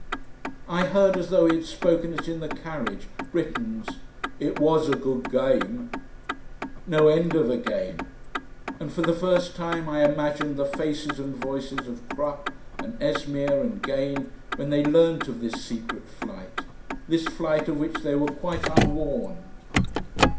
I heard as though he had spoken it in the carriage Britten's "It WAS a good game." No end of a game. And for the first time I imagined the faces and voices of Crupp and Esmeer and Gane when they learnt of this secret flight, this flight of which they were quite unwarned.